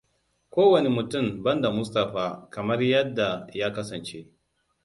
Kowane mutum banda Mustaphaaa kamar yadda ya kasance.